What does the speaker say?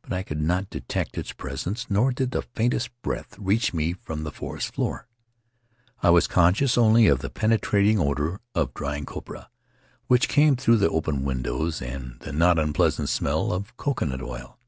But I could not detect its presence nor did the faintest breath reach me from the forest floor. I was conscious only of the penetrating odor of drying copra which came through the open windows and the not unpleasant smell of coconut oil.